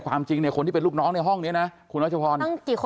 ความจริงเนี่ยคนที่เป็นลูกน้องในห้องนี้นะคุณรัชพร